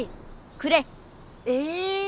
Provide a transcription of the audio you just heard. くれ！え？